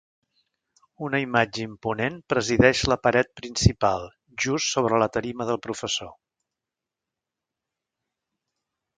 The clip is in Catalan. Una imatge imponent presideix la paret principal, just sobre la tarima del professor.